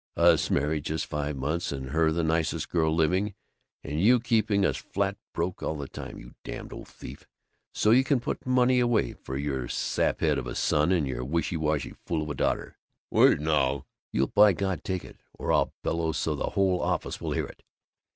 Us married just five months, and her the nicest girl living, and you keeping us flat broke all the time, you damned old thief, so you can put money away for your saphead of a son and your wishywashy fool of a daughter! Wait, now! You'll by God take it, or I'll bellow so the whole office will hear it!